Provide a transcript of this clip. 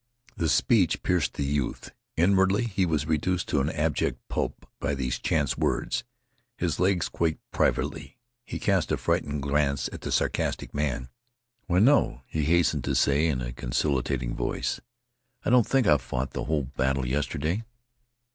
The speech pierced the youth. Inwardly he was reduced to an abject pulp by these chance words. His legs quaked privately. He cast a frightened glance at the sarcastic man. "Why, no," he hastened to say in a conciliating voice, "I don't think I fought the whole battle yesterday."